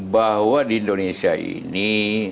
bahwa di indonesia ini